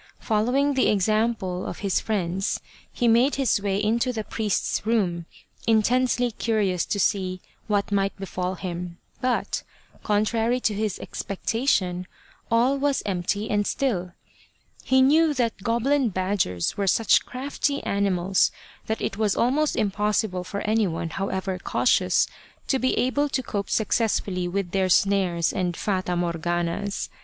Following the example of his friends, he made his way into the priest's room, intensely curious to see what might befall him, but, contrary to his expectation, all was empty and still. He knew that goblin badgers were such crafty animals that it was almost impossible for anyone, however cautious, to be able to cope success fully with their snares and Fata Morganas.